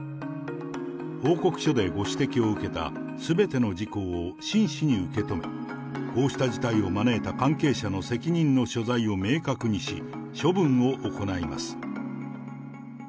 報告書でご指摘を受けたすべての事項を真摯に受け止め、こうした事態を招いた関係者の責任の所在を明確にし、処分を行います。